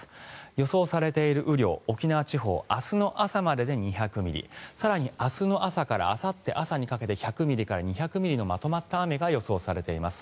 予想されている雨量沖縄地方、明日の朝までで２００ミリ更に、明日の朝からあさって朝にかけて１００ミリから２００ミリのまとまった雨が予想されています。